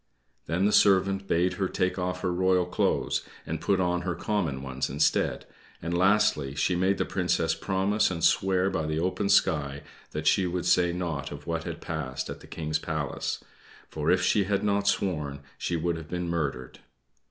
Then the servant bade her take off her royal clothes, and put on her common ones instead; and, lastly, she made the Princess promise and swear by the open sky that she would say nought of what had passed at the King's palace; for if she had not sworn she would have been murdered.